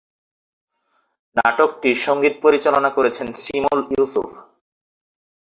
নাটকটির সঙ্গীত পরিচালনা করেছেন শিমুল ইউসুফ।